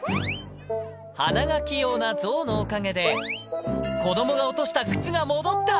鼻が器用な象のおかげで、子どもが落とした靴が戻った。